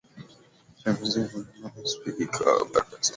Kiongozi mwengine ni Spika wa Baraza la Wawakilishi Zubeir Ali Maulid